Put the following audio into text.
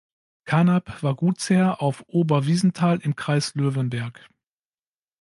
Carnap war Gutsherr auf Ober-Wiesenthal im Kreis Löwenberg.